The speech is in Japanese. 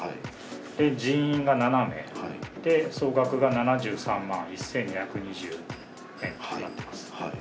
人員が７名、総額が７３万１２２０円となっています。